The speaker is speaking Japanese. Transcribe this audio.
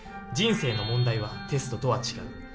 人生の問題はテストとは違う。